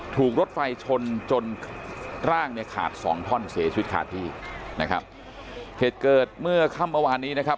ถูกรถไฟชนจนร่างเนี่ยขาดสองท่อนเสียชีวิตขาดที่นะครับเหตุเกิดเมื่อค่ำเมื่อวานนี้นะครับ